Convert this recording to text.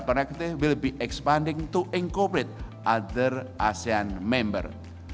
penggunaan koneksi regional akan berkembang untuk mengunjungi para anggota asean lainnya